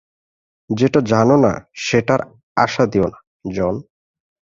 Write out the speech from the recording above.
যেটা জানো না, সেটার আশা দিও না, জন।